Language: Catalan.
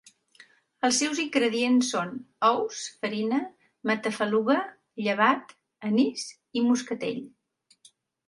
Els seus ingredients són: ous, farina, matafaluga, llevat anís i moscatell.